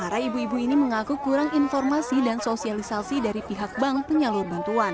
para ibu ibu ini mengaku kurang informasi dan sosialisasi dari pihak bank penyalur bantuan